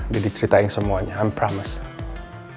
saya ceritakan semuanya saya janji